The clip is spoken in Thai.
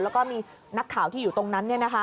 แล้วก็มีนักข่าวที่อยู่ตรงนั้น